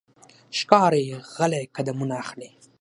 ښکاري غلی قدمونه اخلي.